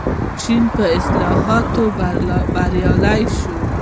چین په اصلاحاتو بریالی شو.